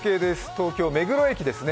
東京・目黒駅ですね。